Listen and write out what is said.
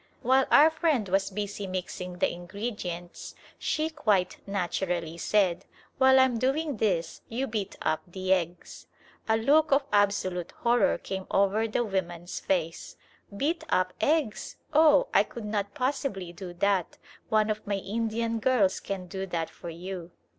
While our friend was busy mixing the ingredients, she quite naturally said, "While I'm doing this, you beat up the eggs." A look of absolute horror came over the woman's face. "Beat up eggs! Oh! I could not possibly do that. One of my Indian girls can do that for you."